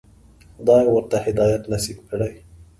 خدای ورته هدایت نصیب کړی.